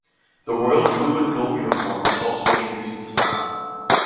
The royal blue and gold uniform was also introduced at this time.